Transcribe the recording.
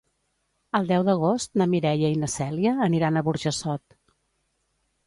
El deu d'agost na Mireia i na Cèlia aniran a Burjassot.